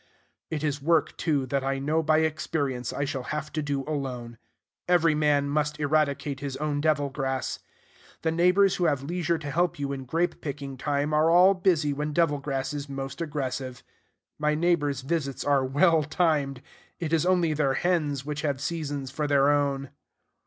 It is work, too, that I know by experience I shall have to do alone. Every man must eradicate his own devil grass. The neighbors who have leisure to help you in grape picking time are all busy when devil grass is most aggressive. My neighbors' visits are well timed: it is only their hens which have seasons for their own.